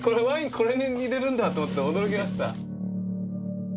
これに入れるんだあと思って驚きました。